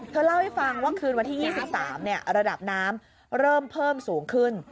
เล่าให้ฟังว่าคืนวันที่๒๓ระดับน้ำเริ่มเพิ่มสูงขึ้น